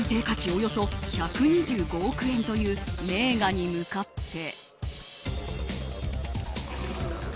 およそ１２５億円という名画に向かって。